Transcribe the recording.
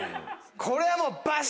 これはもうバシ！